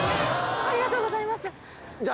ありがとうございます。